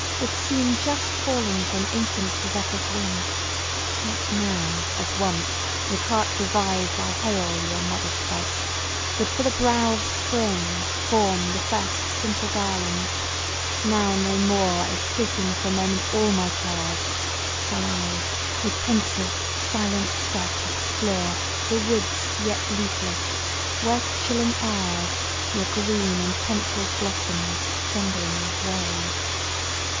That seem just fallen from infant Zephyrs' wing; Not now, as once, with heart revived I hail Your modest buds, that for the brow of Spring Form the first simple garland Now no more Escaping for a moment all my cares, Shall I, with pensive, silent, step explore The woods yet leafless; where to chilling airs Your green and pencil'd blossoms, trembling, wave.